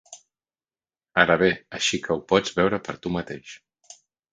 Ara ve, així que ho pots veure per tu mateix.